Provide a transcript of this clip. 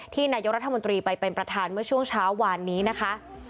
นายกรัฐมนตรีไปเป็นประธานเมื่อช่วงเช้าวานนี้นะคะ